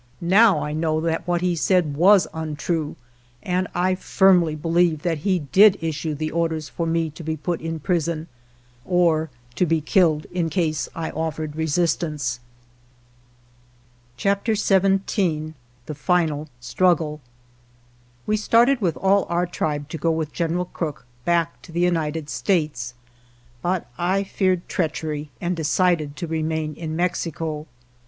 Now I know that what he said was untrue, 3 and I firmly believe that he did issue the orders for me to be put in prison, or to be killed in case I offered resistance. sGeronimo's exact words, for which the Editor disclaims any responsibility. 138 CHAPTER XVII THE FINAL STRUGGLE WE started with all our tribe to go with General Crook back to the United States, but I feared treachery and decided to remain in Mexico.